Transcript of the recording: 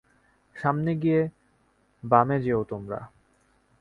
সামনে গিয়ে বামে যেও তোমরা।